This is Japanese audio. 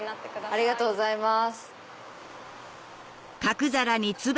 ありがとうございます。